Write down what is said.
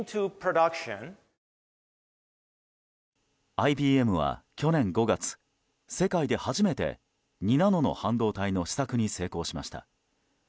ＩＢＭは去年５月世界で初めて２ナノの半導体の試作に成功しました。